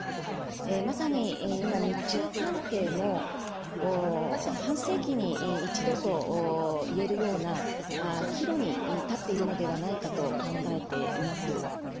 まさに今、日中関係も半世紀に一度といえるような岐路に立っているのではないかと考えています。